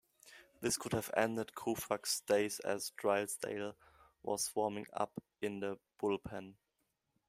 This could have ended Koufax's day as Drysdale was warming up in the bullpen.